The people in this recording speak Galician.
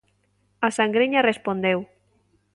A Sangriña respondeu.